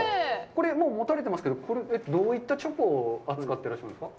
これ、持たれてますけど、これはどういったチョコを持っていらっしゃるんですか。